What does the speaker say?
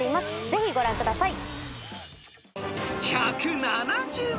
ぜひご覧ください。